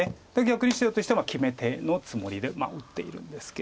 逆に白としては決め手のつもりで打っているんですけれども。